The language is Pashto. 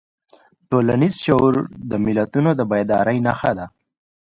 ټولنیز شعور د ملتونو د بیدارۍ نښه ده.